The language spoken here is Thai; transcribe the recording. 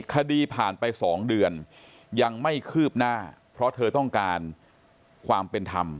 คดีผ่านไป๒เดือนยังไม่คืบหน้าเพราะเธอต้องการความเป็นธรรม